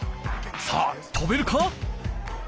さあとべるか！？